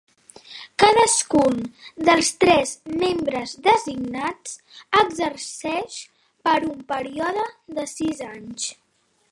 Cadascun dels tres membres designats exerceix per un període de sis anys.